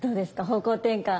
方向転換。